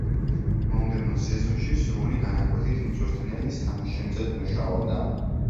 მომდევნო სეზონში სრული განაკვეთით მწვრთნელის თანაშემწედ მუშაობდა.